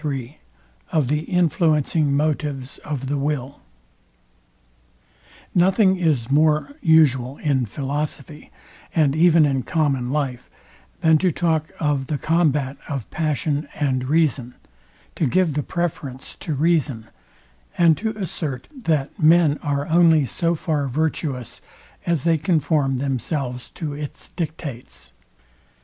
III OF THE INFLUENCING MOTIVES OF THE WILL Nothing is more usual in philosophy, and even in common life, than to talk of the combat of passion and reason, to give the preference to reason, and assert that men are only so far virtuous as they conform themselves to its dictates.